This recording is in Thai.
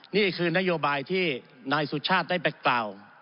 นี่คือนโยบายที่นายสุชาติได้ไปกล่าว